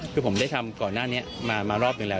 คือผมได้ทำก่อนหน้านี้มารอบหนึ่งแล้ว